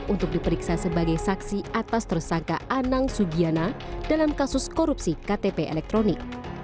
untuk diperiksa sebagai saksi atas tersangka anang sugiana dalam kasus korupsi ktp elektronik